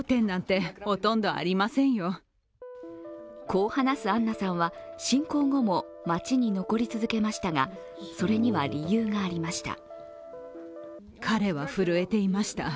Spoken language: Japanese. こう話すアンナさんは侵攻後も街に残り続けましたがそれには理由がありました。